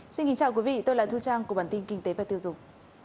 xin kính chào quý vị tôi là thư trang của bản tin kinh tế và tiêu dụng